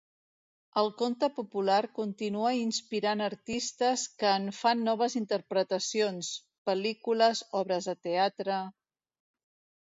El conte popular continua inspirant artistes que en fan noves interpretacions, pel·lícules, obres de teatre…